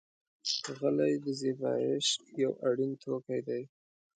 غلۍ د زېبایش یو اړین توکی دی.